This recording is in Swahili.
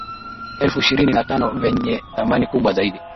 elfu ishirini na tano vyenye thamani kubwa zaidi